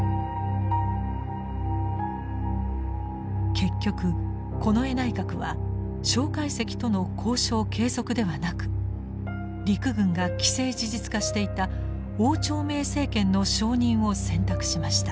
結局近衛内閣は介石との交渉継続ではなく陸軍が既成事実化していた汪兆銘政権の承認を選択しました。